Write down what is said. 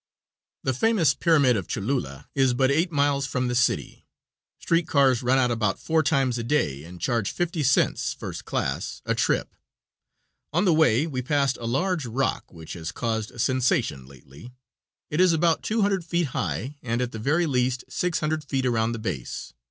The famous pyramid of Cholula is but eight miles from the city. Street cars run out about four times a day and charge fifty cents, first class, a trip. On the way we passed a large rock which has caused a sensation lately. It is about two hundred feet high and at the very least six hundred feet around the base.